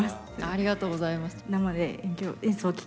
ありがとうございます。